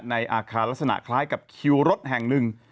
ในอาคารลักษณะคล้ายกับคิวรถแห่งหนึ่ง